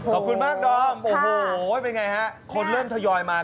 ขอบคุณมากดอมโอ้โหเป็นไงฮะคนเริ่มทยอยมา